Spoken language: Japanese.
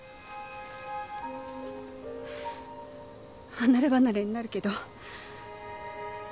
離ればなれになるけど。